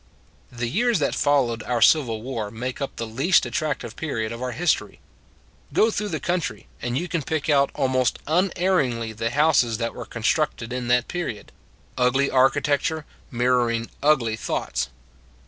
The years that followed our Civil War make up the least attractive period of our history. "Who Tarry By the Stuff 165 Go through the country and you can pick out almost unerringly the houses that were constructed in that period ugly archi tecture, mirroring ugly thoughts.